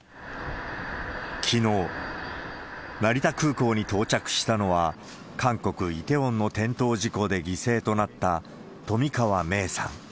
きのう、成田空港に到着したのは、韓国・イテウォンの転倒事故で犠牲となった冨川芽生さん